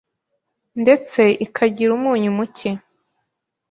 ndetse ikagira umunyu mucye